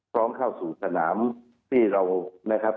เข้าสู่สนามที่เรานะครับ